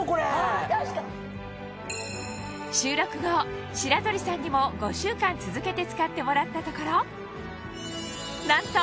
収録後白鳥さんにも５週間続けて使ってもらったところなんと！